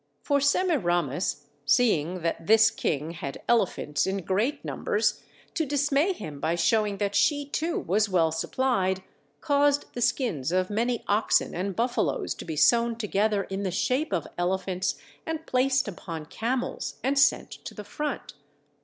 For Semiramis seeing that this king had elephants in great numbers, to dismay him by showing that she, too, was well supplied, caused the skins of many oxen and buffaloes to be sewn together in the shape of elephants and placed upon camels and sent to the front.